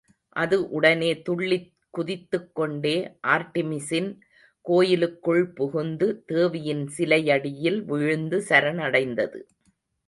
அது உடனே துள்ளிக் குதித்துக்கொண்ட ஆர்ட்டிமிஸின் கோயிலுக்குள் புகுந்து, தேவியின் சிலையடியில் விழுந்து சரணடைந்தது.